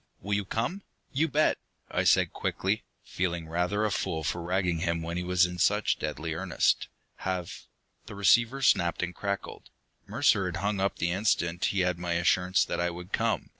Will you come?" "You bet!" I said quickly, feeling rather a fool for ragging him when he was in such deadly earnest. "Have " The receiver snapped and crackled; Mercer had hung up the instant he had my assurance that I would come.